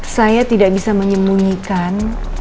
saya tidak bisa menyembunyikan